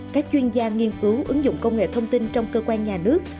các chuyên gia nghiên cứu ứng dụng công nghệ thông tin trong cơ quan nhà nước